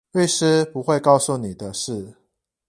律師不會告訴你的事